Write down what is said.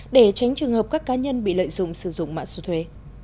để tránh trường hợp các cá nhân bị lợi dụng sử dụng mạng số thuế